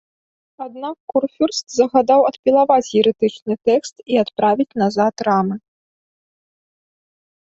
Аднак курфюрст загадаў адпілаваць ерэтычны тэкст і адправіць назад рамы.